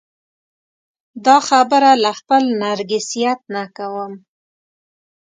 دا خبره له خپل نرګسیت نه کوم.